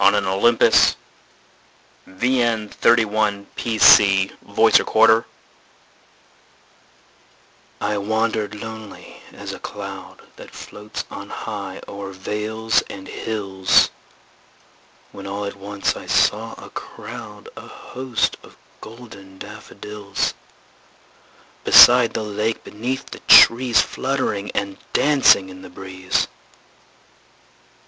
William Wordsworth I Wandered Lonely As a Cloud I WANDERED lonely as a cloud That floats on high o'er vales and hills, When all at once I saw a crowd, A host, of golden daffodils; Beside the lake, beneath the trees, Fluttering and dancing in the breeze.